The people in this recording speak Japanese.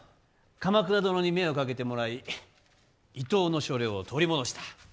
鎌倉殿に目をかけてもらい伊東の所領を取り戻した。